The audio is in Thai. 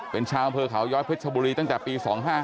เป็นชาวอำเภอเขาย้อยเพชรชบุรีตั้งแต่ปี๒๕๕